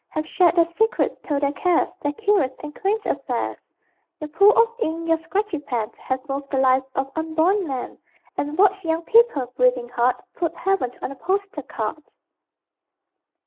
Have shared their secrets, told their cares, Their curious and quaint affairs! Your pool of ink, your scratchy pen, Have moved the lives of unborn men, And watched young people, breathing hard, Put Heaven on a postal card.